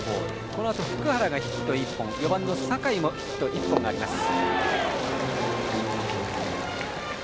このあと福原がヒット１本４番、酒井もヒット１本あります。